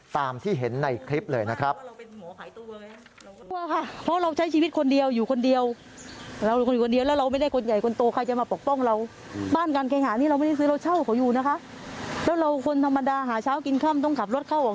ตามที่เห็นในคลิปเลยนะครับ